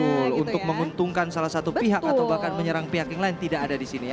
betul untuk menguntungkan salah satu pihak atau bahkan menyerang pihak yang lain tidak ada di sini ya